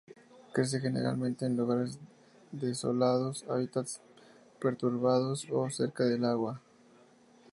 Crece generalmente en lugares desolados, hábitats perturbados, o cerca del agua.